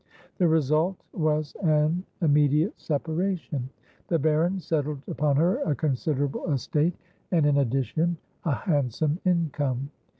The result was an immediate separation. The Baron settled upon her a considerable estate, and, in addition, a handsome income.